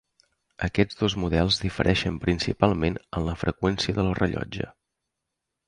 Aquests dos models difereixen principalment en la freqüència del rellotge.